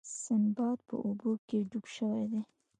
سنباد په اوبو کې ډوب شوی دی.